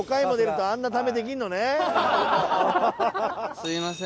すみません